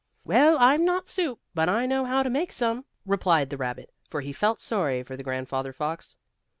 "Well, I'm not soup, but I know how to make some," replied the rabbit, for he felt sorry for the grandfather fox.